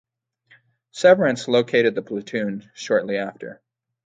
Severance located the platoon shortly after.